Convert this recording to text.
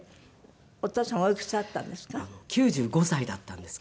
お父様おいくつだったんですか？